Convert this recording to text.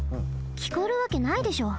きこえるわけないでしょ。